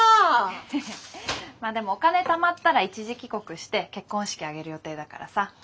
ヘヘッまあでもお金たまったら一時帰国して結婚式挙げる予定だからさ。